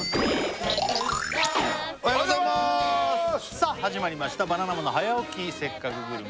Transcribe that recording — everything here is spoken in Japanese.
さあ始まりました「バナナマンの早起きせっかくグルメ！！」